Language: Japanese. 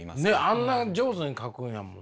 あんな上手に描くんやもん。